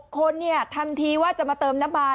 คนทำทีว่าจะมาเติมน้ำมัน